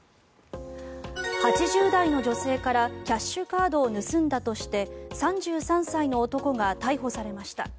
８０代の女性からキャッシュカードを盗んだとして３３歳の男が逮捕されました。